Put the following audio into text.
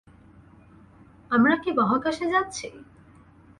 আমরা কি মহাকাশে যাচ্ছি?